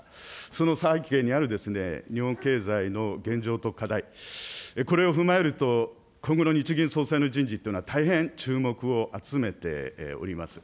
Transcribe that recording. その背景にある日本経済の現状と課題、これを踏まえると、今後の日銀総裁の人事っていうのは、大変注目を集めております。